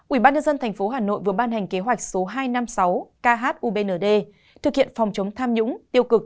ubnd tp hà nội vừa ban hành kế hoạch số hai trăm năm mươi sáu khubnd thực hiện phòng chống tham nhũng tiêu cực